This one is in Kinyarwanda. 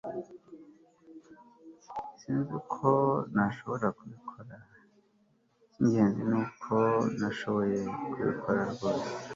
Sinzi uko nashoboye kubikora Icyingenzi nuko nashoboye kubikora rwose